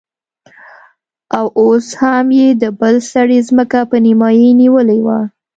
او هم يې د بل سړي ځمکه په نيمايي نيولې وه.